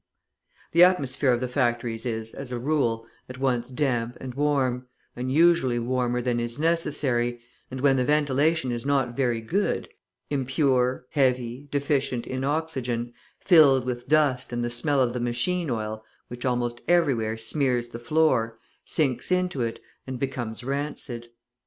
The atmosphere of the factories is, as a rule, at once damp and warm, unusually warmer than is necessary, and, when the ventilation is not very good, impure, heavy, deficient in oxygen, filled with dust and the smell of the machine oil, which almost everywhere smears the floor, sinks into it, and becomes rancid.